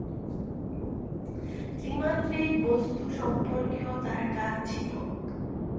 ত্রিমাত্রিক বস্তু সম্পর্কেও তার কাজ ছিল।